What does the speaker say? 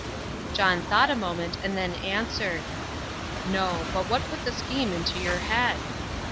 John thought a moment, and then answered "No. But what put the scheme into your head?"